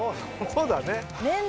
そうだね。